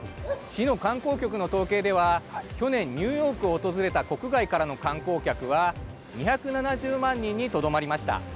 市の観光局の統計では去年、ニューヨークを訪れた国外からの観光客は２７０万人にとどまりました。